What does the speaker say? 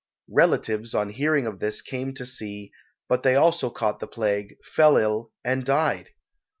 Relatives on hearing of this came to see, but they also caught the plague, fell ill and died.